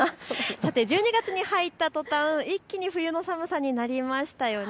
１２月に入った途端、一気に冬の寒さになりましたよね。